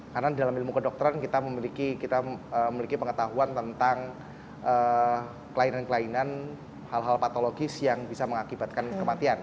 karena dalam ilmu kedokteran kita memiliki pengetahuan tentang kelainan kelainan hal hal patologis yang bisa mengakibatkan kematian